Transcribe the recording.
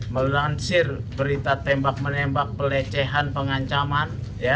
melansir berita tembak menembak pelecehan pengancaman